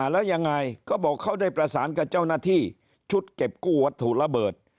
แล้วยังไงก็บอกเขาได้ประสานกับเจ้าหน้าที่ชุดเก็บกู้วัตถุระเบิด